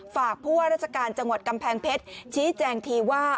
ผู้ว่าราชการจังหวัดกำแพงเพชรชี้แจงทีว่า